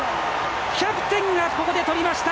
キャプテンがここでとりました！